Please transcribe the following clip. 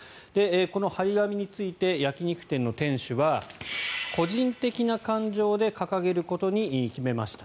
この貼り紙について焼き肉店の店主は個人的な感情で掲げることに決めましたと。